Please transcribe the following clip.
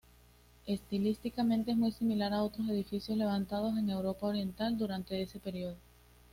Estilísticamente es muy similar a otros edificios levantados en Europa Oriental durante ese período.